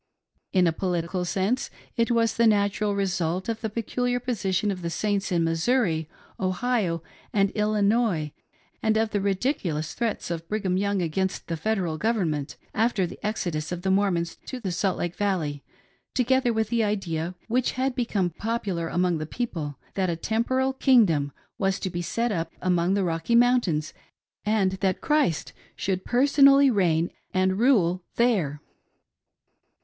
In a political sense it was the natural result of the peculiar position of the Saints in Missouri, Ohio, and Illinois, and of the ridiculous threats of Brigham Young against the Federal Government, after the exodus of the Mormons to Salt Lake Valley, together with the THE KINGDOM OF THE SAINTS ON EARTH. 303 idea which had become popular among the people, that a temporal "kingdom" was to be set up among the Rocky Mountains, and that Christ should personally reign and rule there.